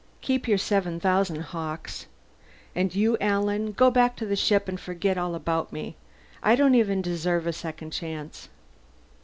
Keep your seven thousand, Hawkes. And you, Alan go back to the ship and forget all about me. I don't even deserve a second chance."